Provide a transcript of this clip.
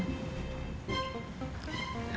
gimana itu ada